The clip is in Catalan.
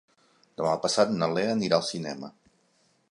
Demà passat na Lea anirà al cinema.